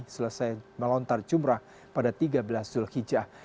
selesai melontar jumrah pada tiga belas zulhijjah